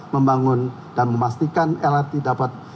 membangun dan memastikan lrt dapat